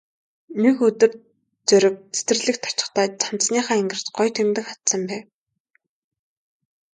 Нэг өдөр Зориг цэцэрлэгт очихдоо цамцныхаа энгэрт гоё тэмдэг хадсан байв.